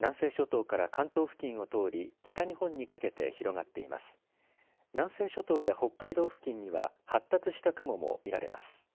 南西諸島や北海道付近には発達した雲も見られます。